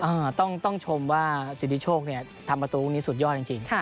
ต้องชมว่าสิทธิโชคเนี่ยทำประตูลูกนี้สุดยอดจริง